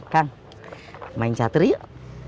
kang main catur yuk